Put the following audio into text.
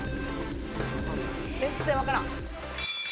全然わからん。